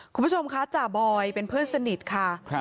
คุณผู้ชมคะจ่าบอยเป็นเพื่อนสนิทค่ะ